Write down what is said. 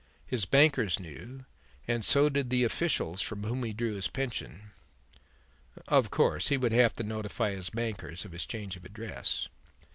His bankers knew and so did the officials from whom he drew his pension." "Of course he would have to notify his bankers of his change of address."